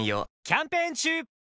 キャンペーン中！